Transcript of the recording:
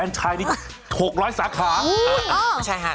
ไม่ใช่ค่ะ